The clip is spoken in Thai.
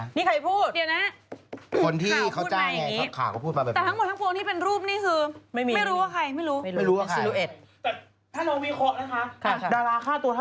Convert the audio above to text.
นี่ใครพูดเหมือนกันกันข่าวพูดมาอย่างนี้